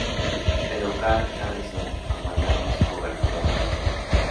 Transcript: El local garrison el comandante es un gobernador de la academia.